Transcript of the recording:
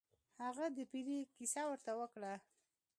هغه د پیري کیسه ورته وکړه.